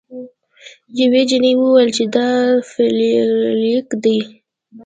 یوې جینۍ وویل چې دا فلیریک دی.